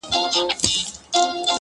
• یو تر بله ښه پاخه انډيوالان وه,